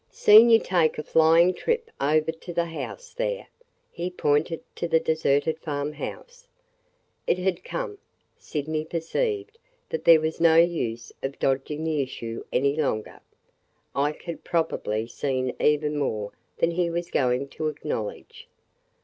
"Seen you take a flying trip over to the house there!" He pointed to the deserted farm house. It had come! Sydney perceived that there was no use of dodging the issue any longer. Ike had probably seen even more than he was going to acknowledge.